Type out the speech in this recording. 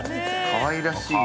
◆かわいらしい。